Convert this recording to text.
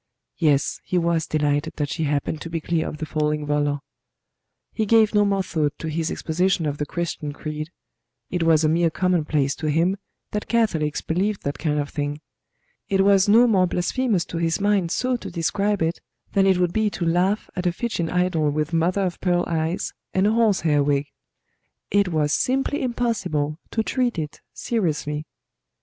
Yes, he was delighted that she happened to be clear of the falling volor. He gave no more thought to his exposition of the Christian creed; it was a mere commonplace to him that Catholics believed that kind of thing; it was no more blasphemous to his mind so to describe it, than it would be to laugh at a Fijian idol with mother of pearl eyes, and a horse hair wig; it was simply impossible to treat it seriously.